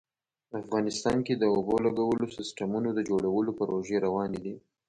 افغانستان کې د اوبو لګولو سیسټمونو د جوړولو پروژې روانې دي